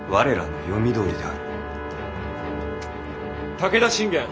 武田信玄